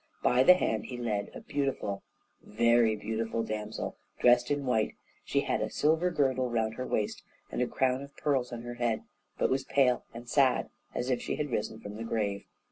By the hand he led a beautiful, very beautiful damsel, dressed in white; she had a silver girdle round her waist, and a crown of pearls on her head, but was pale and sad, as if she had risen from the grave.